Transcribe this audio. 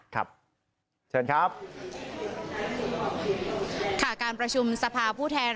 ครับเชิญครับค่ะการประชุมสภาผู้แทน